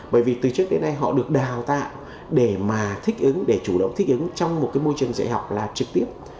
bởi vì từ trước đến nay họ được đào tạo để mà thích ứng để chủ động thích ứng trong một cái môi trường dạy học là trực tiếp